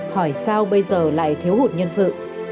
hỏi sao bây giờ lại thiếu hụt nhân sự